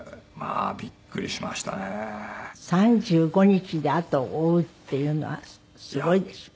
３５日で後を追うっていうのはすごいですね。